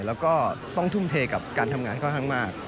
แล้วก็ต้องทุ่มเทกับการทำงานค่อนข้างมาก